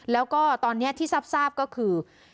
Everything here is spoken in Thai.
แล้วก็ตอนนี้ที่ทราบก็คือ